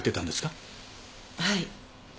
はい。